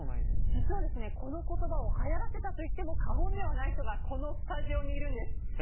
実はこの言葉をはやらせたといっても過言ではない人がこのスタジオにいるんです。